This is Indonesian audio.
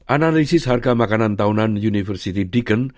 analisis harga makanan tahunan university deacon